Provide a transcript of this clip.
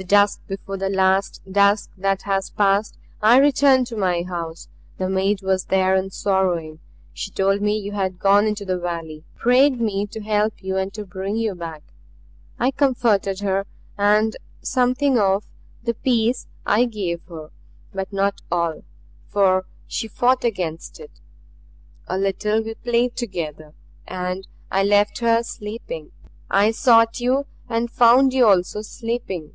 "The dusk before the last dusk that has passed I returned to my house. The maid was there and sorrowing. She told me you had gone into the valley, prayed me to help you and to bring you back. I comforted her, and something of the peace I gave her; but not all, for she fought against it. A little we played together, and I left her sleeping. I sought you and found you also sleeping.